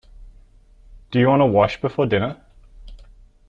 Do you want to wash before dinner?